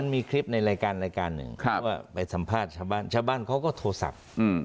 มีคลิปในรายการนึงว่าสัมภาษณ์ชาวบ้านเขาก็โทรศัพท์